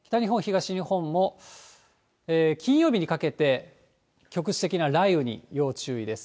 北日本、東日本も金曜日にかけて局地的な雷雨に要注意です。